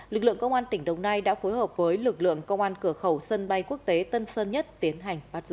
lực lượng công an tỉnh đồng nai đã phối hợp với lực lượng công an cửa khẩu sân bay quốc tế tân sơn nhất tiến hành bắt giữ